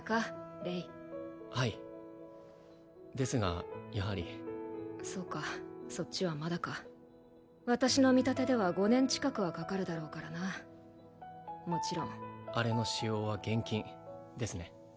レイはいですがやはりそうかそっちはまだか私の見立てでは５年近くはかかるだろうからなもちろんあれの使用は厳禁ですね